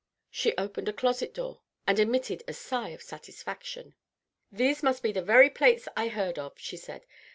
She opened a closet door, and emitted a sigh of satisfaction. "These must be the very plates I heard of," she said.